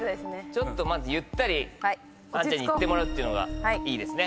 ちょっとまずゆったりアンちゃんにいってもらうのがいいですね。